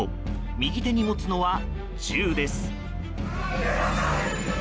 右手に持つのは銃です。